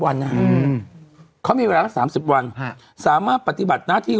วันนะฮะอืมเขามีเวลาก็๓๐วันสามารถปฏิบัติหน้าที่